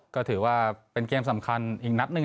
ก็ถือว่าเป็นเกมสำคัญอีกนัดหนึ่ง